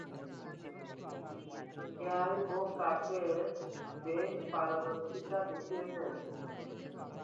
Drive ও কাটে বেশ পারদর্শিতা দেখিয়েছেন।